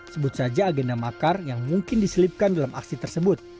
sebut saja agenda makar yang mungkin diselipkan dalam aksi tersebut